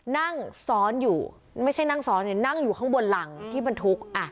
นั่งซ้อนอยู่ไม่ใช่นั่งซ้อนนั่งอยู่ข้างบนหลังที่บรรทุก